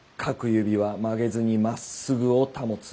各指は曲げずに真っ直ぐを保つ。